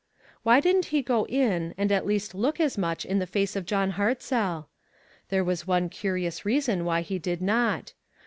Why didn't he go in, and at least look as much in the face of John Hartzell? There was one curious reason why he did not.